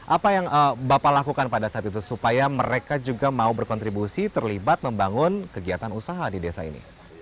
apa yang bapak lakukan pada saat itu supaya mereka juga mau berkontribusi terlibat membangun kegiatan usaha di desa ini